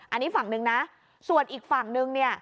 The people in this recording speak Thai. อันนี้ฝั่งหนึ่งนะส่วนอีกฝั่งนึงเนี่ย